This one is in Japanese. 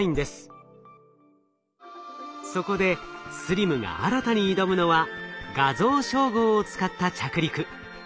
そこでＳＬＩＭが新たに挑むのは画像照合を使った着陸。